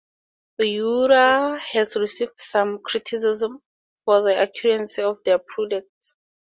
Oura has received some criticism for the accuracy of their products.